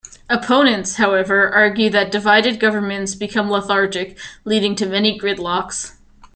Opponents, however, argue that divided governments become lethargic, leading to many gridlocks.